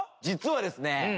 実はですね